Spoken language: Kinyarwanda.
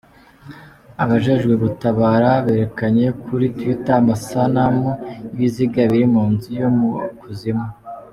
Abajejwe guttabara berekanye kuri tweeter amasanamu y'ibiziga biri mu nzu yo mu kuzimu.